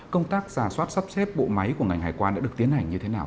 công tác giả soát sắp xếp bộ máy của ngành hải quan đã được tiến hành như thế nào